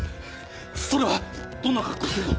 それはどんな格好をしてるの？